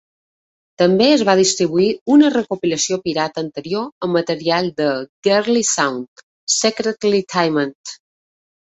També es va distribuir una recopilació pirata anterior amb material de "Girly-Sound": "Secretly Timid".